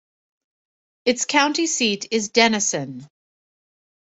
Its county seat is Denison.